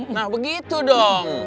nah begitu dong